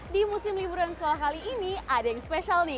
di musim liburan sekolah kali ini ada yang spesial nih